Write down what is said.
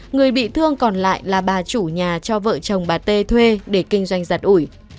người bị thương còn lại là bà chủ nhà cho vợ chồng bà t thuê để kinh doanh giật ủi